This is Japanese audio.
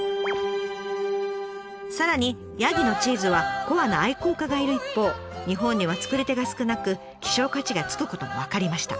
さらにヤギのチーズはコアな愛好家がいる一方日本には作り手が少なく希少価値がつくことも分かりました。